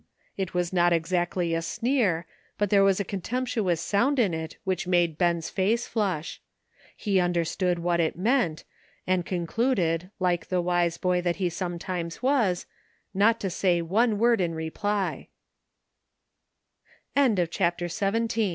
It was, not exactly a sneer, but there was a contemptuous sound in it which made Ben's face flush. He understood what it meant, and concluded, like the wise boy that he sometimes was, not to say one word in reply.